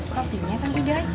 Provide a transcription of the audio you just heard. kopinya kang tim jalan